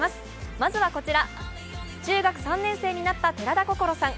まずはこちら、中学３年生になった寺田心さん。